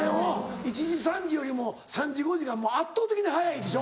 １時３時よりも３時５時が圧倒的に早いでしょ。